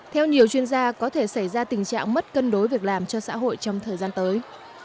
theo nhiều chuyên gia có thể xảy ra tình trạng mất cân đối việc làm cho xã hội trong thời gian tới